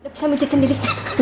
udah bisa mencet sendiri